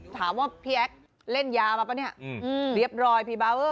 ถามว่าพี่แอ๊กเล่นยามาป่ะเนี่ยเรียบร้อยพี่เบาเวอร์